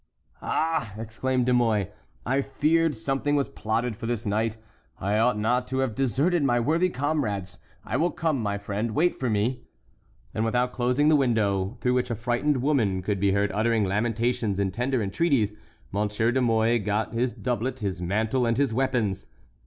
"Ah!" exclaimed De Mouy, "I feared something was plotted for this night. I ought not to have deserted my worthy comrades. I will come, my friend,—wait for me." And without closing the window, through which a frightened woman could be heard uttering lamentations and tender entreaties, Monsieur de Mouy got his doublet, his mantle, and his weapons.